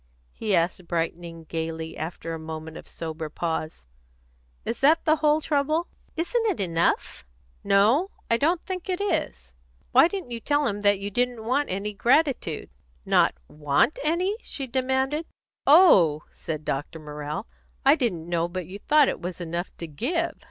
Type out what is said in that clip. He asked, brightening gaily after a moment of sober pause, "Is that the whole trouble?" "Isn't it enough?" "No; I don't think it is. Why didn't you tell him that you didn't want any gratitude?". "Not want any?" she demanded. "Oh!" said Dr. Morrell, "I didn't know but you thought it was enough to _give."